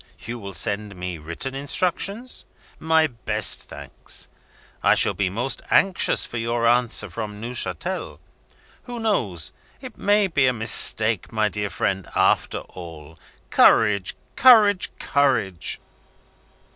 You will send me written instructions? My best thanks. I shall be most anxious for your answer from Neuchatel. Who knows? It may be a mistake, my dear friend, after all. Courage! courage! courage!"